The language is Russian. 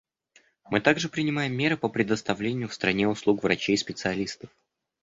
Мы также принимаем меры по предоставлению в стране услуг врачей-специалистов.